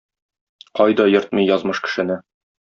Кайда йөртми язмыш кешене.